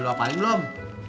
lo apalin belum